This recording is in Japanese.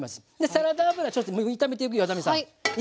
サラダ油ちょっと炒めていくよ奈実さんいい？